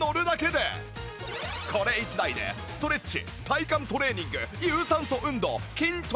これ１台でストレッチ体幹トレーニング有酸素運動筋トレまで！